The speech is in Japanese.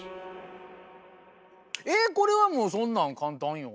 えこれはもうそんなん簡単よ。